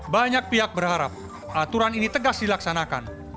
banyak pihak berharap aturan ini tegas dilaksanakan